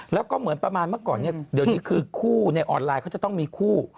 แล้วก็เหมือนประมาณเมื่อก่อนเนี่ยเดี๋ยวนี้คือคู่ในออนไลน์เขาจะต้องมีคู่